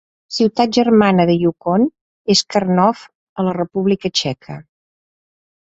La ciutat germana de Yukon és Krnov, a la República Txeca.